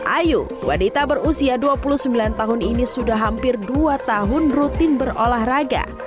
ayu wanita berusia dua puluh sembilan tahun ini sudah hampir dua tahun rutin berolahraga